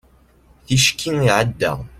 ticki iɛedda